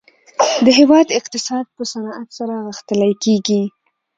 د هیواد اقتصاد په صنعت سره غښتلی کیږي